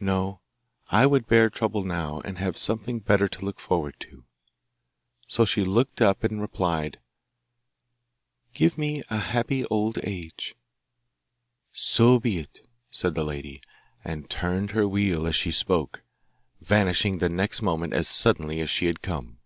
No, I would bear trouble now, and have something better to look forward to.' So she looked up and replied, 'Give me a happy old age.' 'So be it,' said the lady, and turned her wheel as she spoke, vanishing the next moment as suddenly as she had come.